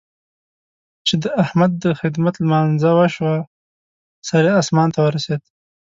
چې د احمد د خدمت لمانځه شوه؛ سر يې اسمان ته ورسېد.